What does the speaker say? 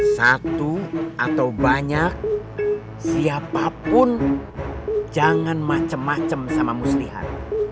satu atau banyak siapapun jangan macem macem sama muslihat